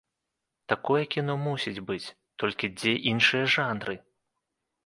Такое кіно мусіць быць, толькі дзе іншыя жанры?